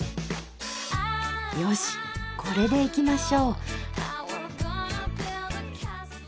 よしこれでいきましょう。